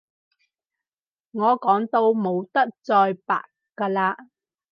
我講到冇得再白㗎喇